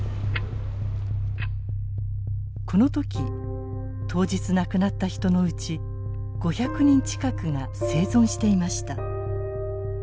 この時当日亡くなった人のうち５００人近くが生存していました。